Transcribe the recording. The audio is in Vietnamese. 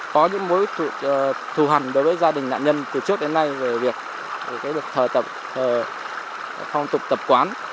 có những mối thù hẳn đối với gia đình nạn nhân từ trước đến nay về việc thờ tập phong tục tập quán